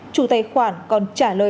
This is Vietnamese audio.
chủ tài khoản còn trả lời